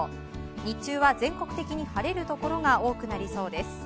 日中は全国的に晴れるところが多くなりそうです。